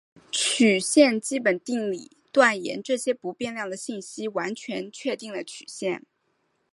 曲线基本定理断言这些不变量的信息完全确定了曲线。